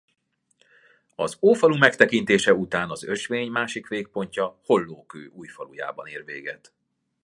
Az Ófalu megtekintése után az ösvény másik végpontja Hollókő Újfalujában ér véget.